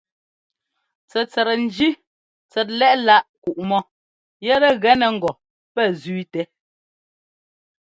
Tsɛtsɛt njí tsɛt lɛ́ꞌláꞌ kuꞌmɔ yɛtɛ gɛnɛ pɛ zẅíitɛ.